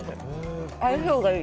相性がいい！